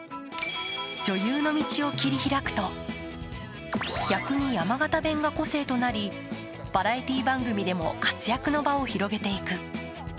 女優の道を切り開くと逆に山形弁が個性となり、バラエティー番組でも活躍の場を広げていく。